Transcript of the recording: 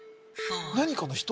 何かの人？